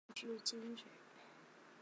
迁居蕲水。